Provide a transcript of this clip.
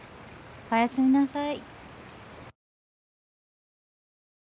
おやすみなさい